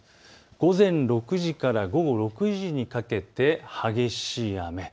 午前６時から午後６時にかけて激しい雨。